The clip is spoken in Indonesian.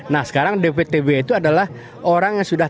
nah sekarang dptb itu adalah orang yang sudah